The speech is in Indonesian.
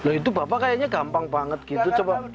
nah itu bapak kayaknya gampang banget gitu